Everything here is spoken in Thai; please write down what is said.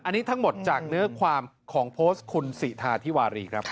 อันนี้ทั้งหมดจากเนื้อความของโพสต์คุณสิทาธิวารีครับ